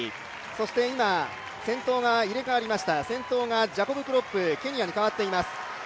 そして今、先頭が入れ替わりましたジャコブ・クロップ、ケニアに代わっています。